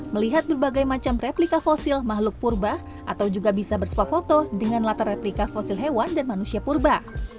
melihat berbagai macam replika fosil makhluk purba atau juga bisa bersuah foto dengan latar replika fosil hewan dan manusia purba